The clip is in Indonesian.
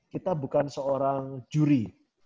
kita bukan seorang juri